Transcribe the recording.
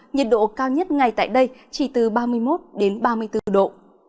nhiệt độ cao nhất ngày tại đây chỉ từ ba mươi một ba mươi sáu độ